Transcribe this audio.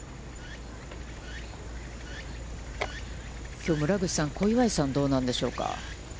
きょう村口さん、小祝さん、どうなんでしょうか。